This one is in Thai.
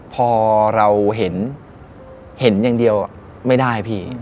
พอเราเห็นเห็นอย่างเดียวไม่ได้พี่